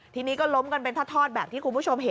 ทีนี้ก็ล้มกันเป็นทอดแบบที่คุณผู้ชมเห็น